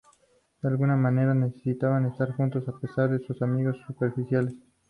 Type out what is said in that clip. De alguna manera necesitan estar juntos a pesar de sus amigos superficiales.